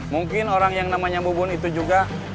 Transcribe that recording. mungkin orang yang namanya ibu bun itu juga